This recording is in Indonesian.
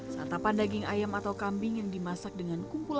satapan daging ayam atau kambing yang dimasak dengan kumpulan